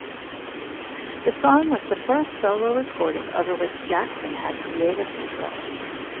The song was the first solo recording over which Jackson had creative control.